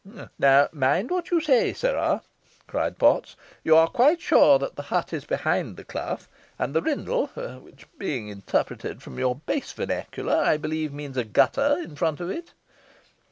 "Now mind what you say, sirrah," cried Potts. "You are quite sure the hut is behind the clough; and the rindle, which, being interpreted from your base vernacular, I believe means a gutter, in front of it?"